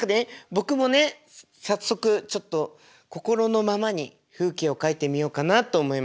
僕もね早速ちょっと心のままに風景を描いてみようかなと思いまして。